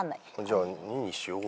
じゃあ２にしよう。